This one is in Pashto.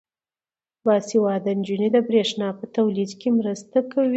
باسواده نجونې د برښنا په تولید کې مرسته کوي.